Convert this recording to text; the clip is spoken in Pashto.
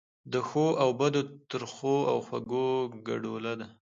د ښو او بدو، ترخو او خوږو ګډوله ده.